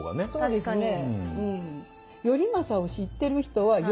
そうですね。